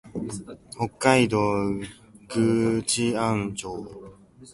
北海道倶知安町